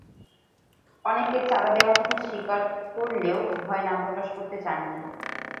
অনেকে চাঁদা দেওয়ার কথা স্বীকার করলেও ভয়ে নাম প্রকাশ করতে চাননি।